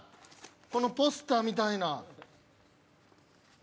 このポスターみたいな。